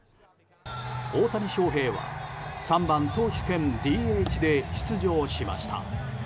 大谷翔平は３番投手兼ＤＨで出場しました。